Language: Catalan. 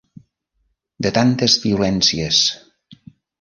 -…de tantes violències…